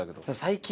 最近。